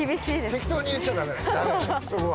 適当に言っちゃダメなのそこは。